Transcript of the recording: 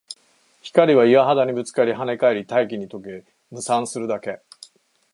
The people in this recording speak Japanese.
光は岩肌にぶつかり、跳ね返り、大気に溶け、霧散するだけ